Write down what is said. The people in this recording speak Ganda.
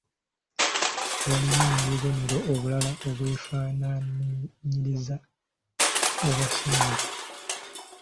Waliwo n’obubonero obulala obwefaanaanyiriza obwa ssennyiga.